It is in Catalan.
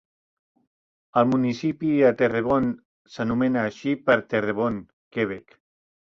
El municipi de Terrebonne s'anomena així per Terrebonne, Quebec.